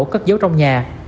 cất giấu trong nhà